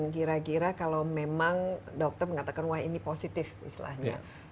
gara gara kalau memang dokter mengatakan wah ini positif misalnya